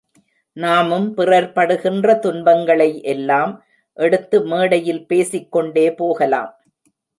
நாமும் பிறர் படுகின்ற துன்பங்களை எல்லாம் எடுத்து மேடையில் பேசிக்கொண்டே போகலாம்.